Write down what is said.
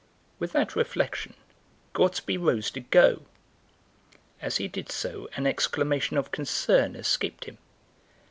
With that reflection Gortsby rose to go; as he did so an exclamation of concern escaped him.